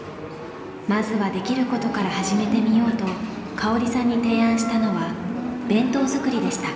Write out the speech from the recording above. まずはできることから始めてみようと香織さんに提案したのは弁当作りでした。